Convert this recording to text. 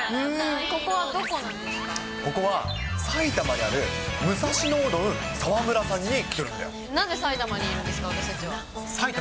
ここはここは、埼玉にある武蔵野うどん澤村さんに来てるんだよ。